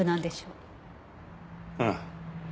うん。